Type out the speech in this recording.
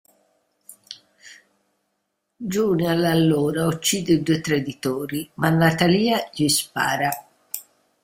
Julian, allora, uccide i due traditori ma Natalia gli spara.